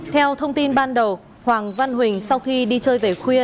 theo thông tin ban đầu hoàng văn huỳnh sau khi đi chơi về khuya